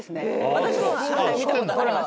私も見たことあります。